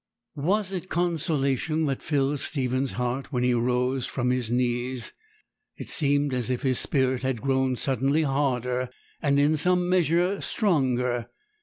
Was it consolation that filled Stephen's heart when he rose from his knees? It seemed as if his spirit had grown suddenly harder, and in some measure stronger.